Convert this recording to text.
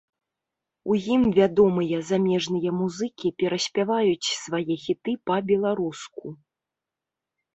У ім вядомыя замежныя музыкі пераспяваюць свае хіты па-беларуску.